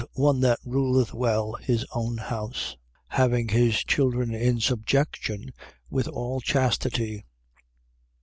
One that ruleth well his own house, having his children in subjection with all chastity.